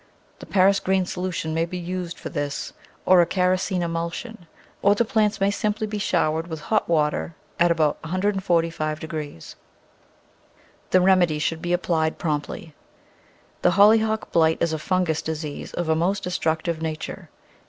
The Paris green solution may be used for this, or a kerosene emulsion, or the plants may simply be showered with hot water at about 145 . The rem edy should be applied promptly. The Hollyhock blight is a fungous disease of a most destructive nat ure.